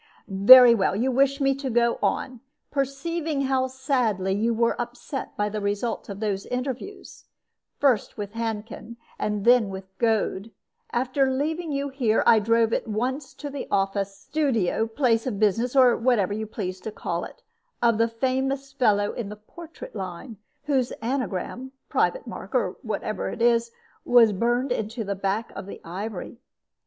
"Very well; you wish me to go on. Perceiving how sadly you were upset by the result of those interviews, first with Handkin, and then with Goad, after leaving you here I drove at once to the office, studio, place of business, or whatever you please to call it, of the famous fellow in the portrait line, whose anagram, private mark, or whatever it is, was burned into the back of the ivory.